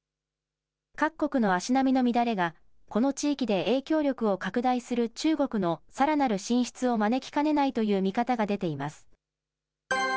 各国の足並みの乱れが、この地域で影響力を拡大する中国のさらなる進出を招きかねないという見方